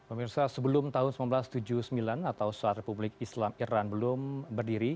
pemirsa sebelum tahun seribu sembilan ratus tujuh puluh sembilan atau saat republik islam iran belum berdiri